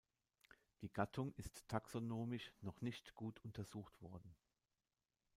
Die Gattung ist taxonomisch noch nicht gut untersucht worden.